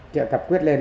triệu tập quyết lên